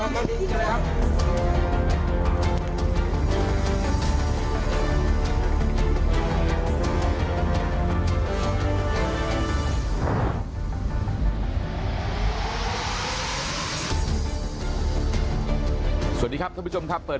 ปากกับภาคภูมิ